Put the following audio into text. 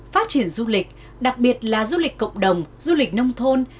phát triển du lịch đặc biệt là du lịch cộng đồng du lịch nông thôn